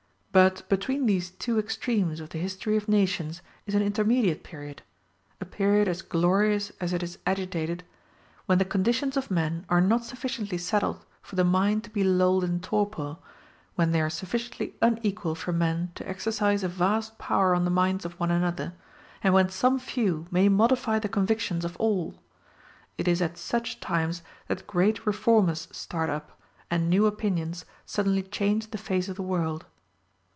But between these two extremes of the history of nations is an intermediate period a period as glorious as it is agitated when the conditions of men are not sufficiently settled for the mind to be lulled in torpor, when they are sufficiently unequal for men to exercise a vast power on the minds of one another, and when some few may modify the convictions of all. It is at such times that great reformers start up, and new opinions suddenly change the face of the world.